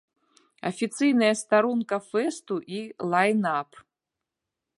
Афіцыйная старонка фэсту і лайн-ап.